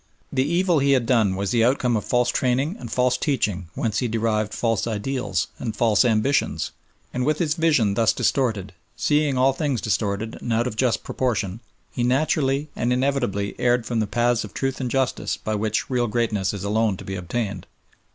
The evil he had done was the outcome of false training and false teaching whence he derived false ideals and false ambitions, and with his vision thus disturbed, seeing all things distorted and out of just proportion, he naturally and inevitably erred from the paths of truth and justice by which real greatness is alone to be attained.